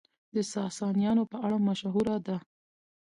د ساسانيانو په اړه مشهوره ده،